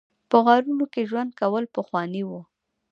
په غارونو کې ژوند کول پخوانی و